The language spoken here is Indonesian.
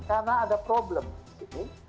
karena ada problem disini